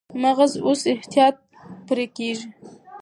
مغز اوس په احتیاط پرې کېږي.